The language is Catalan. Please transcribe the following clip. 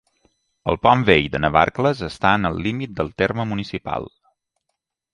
El Pont Vell de Navarcles està en el límit del terme municipal.